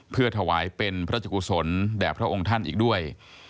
เพื่อถวายเป็นพระราชกุศลแด่พระองค์ท่านอีกด้วย